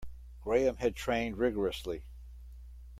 Graham had trained rigourously.